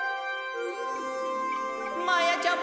まやちゃま！